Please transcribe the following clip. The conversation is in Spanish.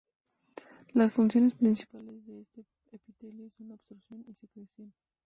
Las funciones principales de este epitelio son la absorción y la secreción.